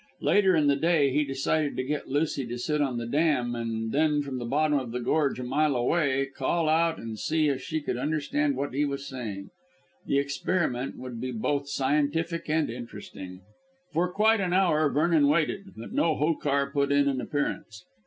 Later in the day he decided to get Lucy to sit on the dam and then from the bottom of the gorge a mile away to call out and see if she could understand what he was saying. The experiment would be both scientific and interesting. For quite an hour Vernon waited, but no Hokar put in an appearance.